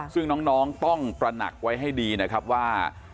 ซึ่งน้องต้องตระหนักไว้ให้ดีนะครับว่า